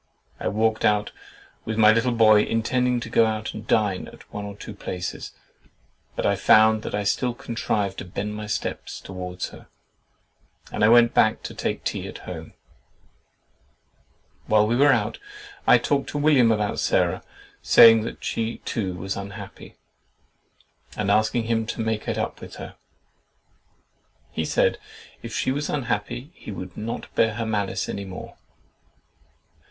I walked out with my little boy, intending to go and dine out at one or two places, but I found that I still contrived to bend my steps towards her, and I went back to take tea at home. While we were out, I talked to William about Sarah, saying that she too was unhappy, and asking him to make it up with her. He said, if she was unhappy, he would not bear her malice any more.